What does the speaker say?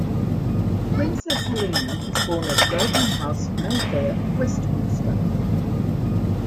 Princess Helena was born at Grosvenor House, Mayfair, Westminster.